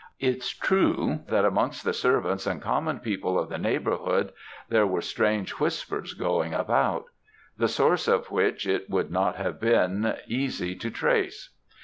It's true, that amongst the servants and common people of the neighbourhood, there were strange whispers going about; the source of which it would not have been easy to trace.